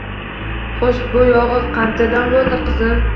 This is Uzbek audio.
Xo‘sh, bu yog‘i qanchadan bo‘ldi, qizim